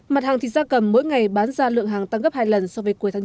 mặt hàng thịt da cầm mỗi ngày bán ra lượng hàng tăng gấp hai lần so với cuối tháng chín